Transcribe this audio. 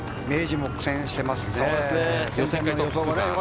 明治も苦戦していますね。